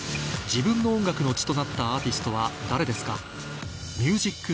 自分の音楽の血となったアーティストは誰ですか？